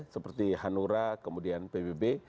seperti hanura kemudian pbb